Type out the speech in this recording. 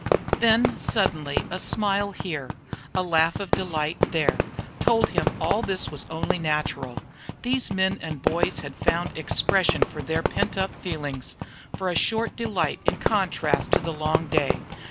Then suddenly a smile here, a laugh of delight there, told him all this was only natural. These men and boys had found expression for their pent up feelings, for a short delight in contrast to the long day.